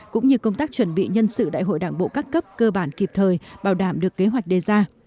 cũng như công tác chuẩn bị nhân sự đại hội đảng bộ các cấp cơ bản kịp thời bảo đảm được kế hoạch đề ra